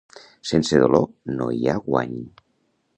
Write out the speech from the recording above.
Sense dolor no hi ha guany.